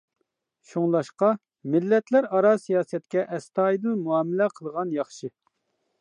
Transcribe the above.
شۇڭلاشقا ، مىللەتلەر ئارا سىياسەتكە ئەستايىدىل مۇئامىلە قىلغان ياخشى.